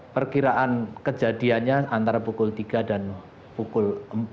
perkiraan kejadiannya antara pukul tiga dan pukul empat